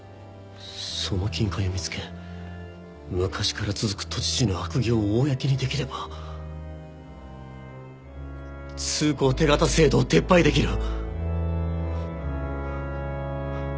その金塊を見つけ昔から続く都知事の悪行を公にできれば通行手形制度を撤廃できる！